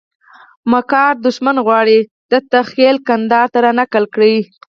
مکار دښمن غواړي دته خېل کندهار ته رانقل کړي.